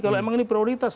kalau emang ini prioritas